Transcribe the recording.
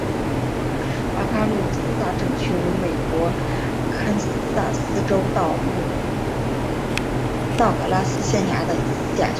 瓦卡鲁萨镇区为美国堪萨斯州道格拉斯县辖下的镇区。